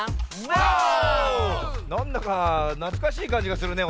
なんだかなつかしいかんじがするね。